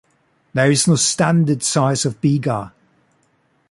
There is no "standard" size of bigha.